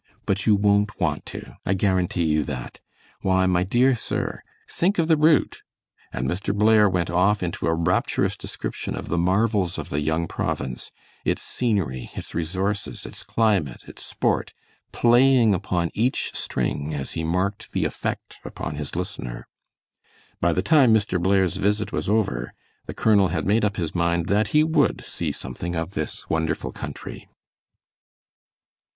But you won't want to, I guarantee you that. Why, my dear sir, think of the route," and Mr. Blair went off into a rapturous description of the marvels of the young province, its scenery, its resources, its climate, its sport, playing upon each string as he marked the effect upon his listener. By the time Mr. Blair's visit was over, the colonel had made up his mind that he would see something of this wonderful country.